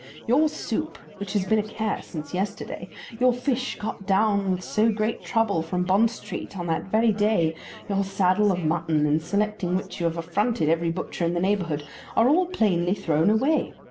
Your soup, which has been a care since yesterday, your fish, got down with so great trouble from Bond Street on that very day, your saddle of mutton, in selecting which you have affronted every butcher in the neighbourhood, are all plainly thrown away!